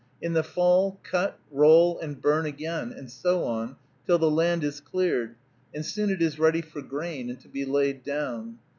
In the fall, cut, roll, and burn again, and so on, till the land is cleared; and soon it is ready for grain, and to be laid down.